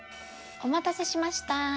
お待たせしました。